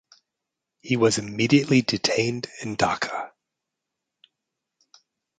He was immediately detained in Dhaka.